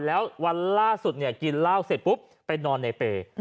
แล้ววันล่าสุดเนี่ยกินเหล้าเสร็จปุ๊บไปนอนในเปย์